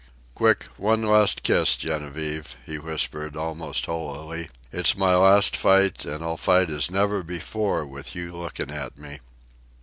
"Quick, one last kiss, Genevieve," he whispered, almost holily. "It's my last fight, an' I'll fight as never before with you lookin' at me."